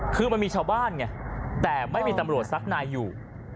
คือมันมีชาวบ้านไงแต่ไม่มีตำรวจสักนายอยู่